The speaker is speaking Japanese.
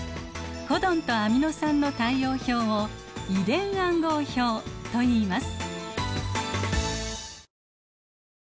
コドンとアミノ酸の対応表を遺伝暗号表といいます。